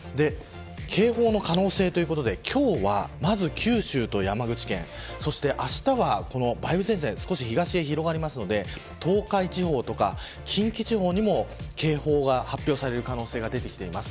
警報の可能性ということで今日は、まず九州と山口県そして、あしたは梅雨前線、東へ広がりますので東海地方とか近畿地方にも警報が発表される可能性が出てきています。